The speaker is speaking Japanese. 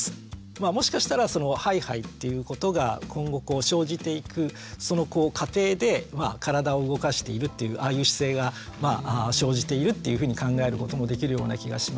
まあもしかしたらそのハイハイっていうことが今後こう生じていくその過程で体を動かしているっていうああいう姿勢が生じているっていうふうに考えることもできるような気がしますし。